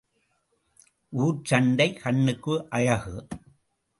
ஊர்ச் சண்டை கண்ணுக்கு அழகு.